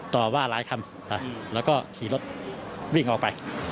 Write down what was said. ต่อว่าหลายคำแล้วก็ขี่รถวิ่งออกไป